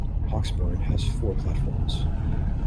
Hawksburn has four platforms.